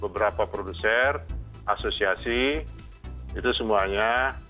beberapa produser asosiasi itu semuanya